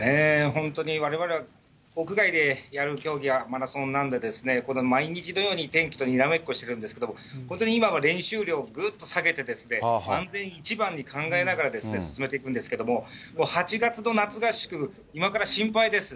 本当にわれわれは屋外でやる競技、マラソンなんでですね、これ、毎日のように天気とにらめっこしてるんですけれども、本当に今は練習量、ぐっと下げて、安全一番に考えながら進めていくんですけども、８月の夏合宿、今から心配です。